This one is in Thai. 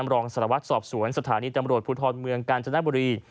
รองสารวัตรสอบสวนสถานีตำรวจภูทรเมืองกาญจนบุรี